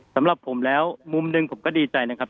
สำหรับผมแล้วมุมหนึ่งผมก็ดีใจนะครับ